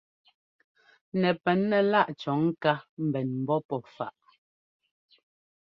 Nɛpɛn nɛ láꞌ cɔ̌ ŋká pɛn ḿbɔ́ pɔ́ faꞌ.